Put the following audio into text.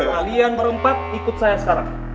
kalian berempat ikut saya sekarang